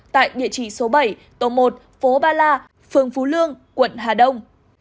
tại địa chỉ số bảy tổ một phố ba la phường phú lương quận hà đông